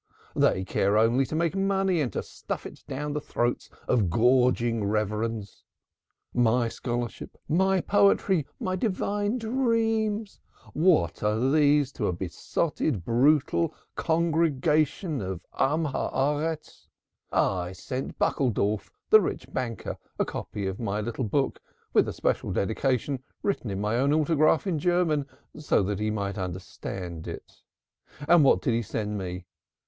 They care only to make money and to stuff it down the throats of gorging reverends. My scholarship, my poetry, my divine dreams what are these to a besotted, brutal congregation of Men of the Earth? I sent Buckledorf, the rich banker, a copy of my little book, with a special dedication written in my own autograph in German, so that he might understand it. And what did he send me?